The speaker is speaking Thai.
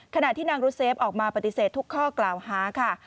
ขณะที่นางรุเซฟออกมาปฏิเสธทุกข้อกล่าวหาค่ะ